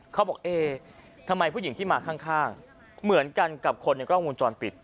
เขาบอกเอ๊ทำไมผู้หญิงที่มาข้างเหมือนกันกับคนในกล้องวงจรปิด